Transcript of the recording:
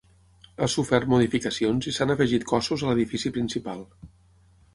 Ha sofert modificacions i s'han afegit cossos a l’edifici principal.